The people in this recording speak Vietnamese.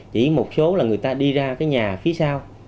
chỉ một số là người ta đi ra cái nhà phía sau